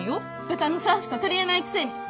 豚の世話しか取り柄ないくせに！